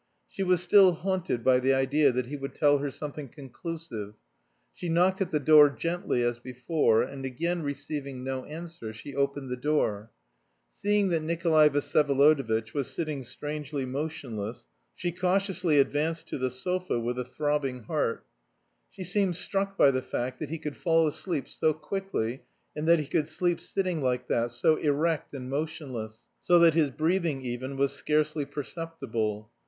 She was still haunted by the idea that he would tell her something conclusive. She knocked at the door gently as before, and again receiving no answer, she opened the door. Seeing that Nikolay Vsyevolodovitch was sitting strangely motionless, she cautiously advanced to the sofa with a throbbing heart. She seemed struck by the fact that he could fall asleep so quickly and that he could sleep sitting like that, so erect and motionless, so that his breathing even was scarcely perceptible.